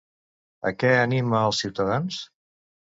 A què anima els ciutadans?